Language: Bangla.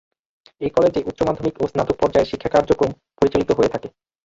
এ কলেজে উচ্চমাধ্যমিক ও স্নাতক পর্যায়ের শিক্ষা কার্যক্রম পরিচালিত হয়ে থাকে।